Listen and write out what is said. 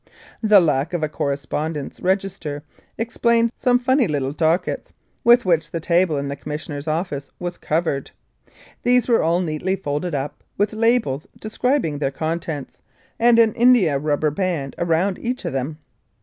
The lack of a correspondence register explained some funny little dockets, with which the table in the Com missioner's office was covered. These were all neatly folded up, with labels describing their contents, and an indiarubber band round each of them.